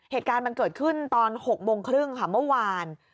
เหตุการณ์มันเกิดขึ้นตอน๖โมงครึ่งค่ะเมื่อวาน